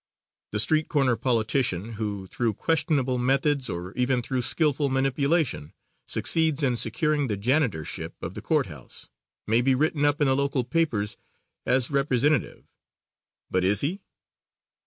The street corner politician, who through questionable methods or even through skillful manipulation, succeeds in securing the janitorship of the Court House, may be written up in the local papers as "representative," but is he?